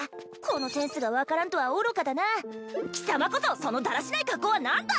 このセンスが分からんとは愚かだな貴様こそそのだらしない格好は何だ！